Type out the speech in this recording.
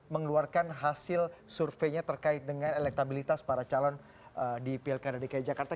mengeluarkan hasil surveinya terkait dengan elektabilitas para calon di pilkada dki jakarta